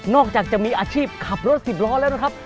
จากจะมีอาชีพขับรถสิบล้อแล้วนะครับ